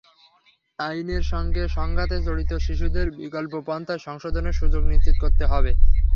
আইনের সঙ্গে সংঘাতে জড়িত শিশুদের বিকল্প পন্থায় সংশোধনের সুযোগ নিশ্চিত করতে হবে।